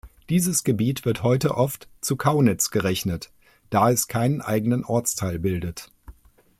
Dieses Gebiet wird heute oft zu Kaunitz gerechnet, da es keinen eigenen Ortsteil bildet.